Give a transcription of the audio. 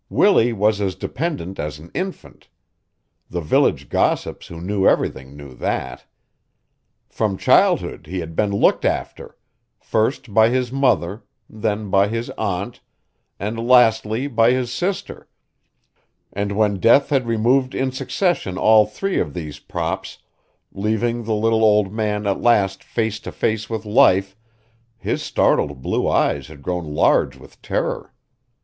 Willie was as dependent as an infant; the village gossips who knew everything knew that. From childhood he had been looked after, first by his mother, then by his aunt, and lastly by his sister; and when death had removed in succession all three of these props, leaving the little old man at last face to face with life, his startled blue eyes had grown large with terror.